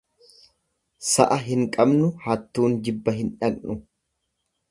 Sa'a hin qabnu, hattuun jibba hin dhaqnu.